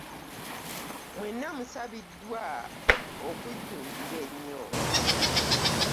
Mwenna musabiddwa okujjumbira ennyo.